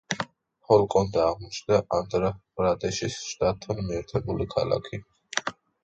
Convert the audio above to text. ჰოლკონდა აღმოჩნდა ანდჰრა-პრადეშის შტატთან მიერთებული ქალაქი.